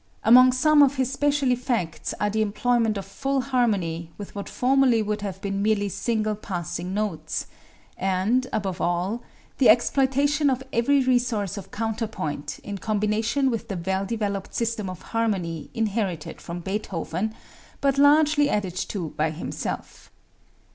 Among some of his special effects are the employment of full harmony with what formerly would have been merely single passing notes, and above all, the exploitation of every resource of counterpoint in combination with the well developed system of harmony inherited from Beethoven, but largely added to by himself.